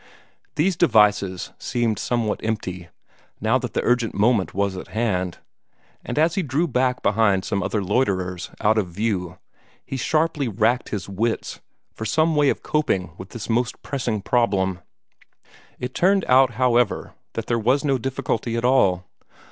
These devices seemed somewhat empty, now that the urgent moment was at hand; and as he drew back behind some other loiterers, out of view, he sharply racked his wits for some way of coping with this most pressing problem. It turned out, however, that there was no difficulty at all.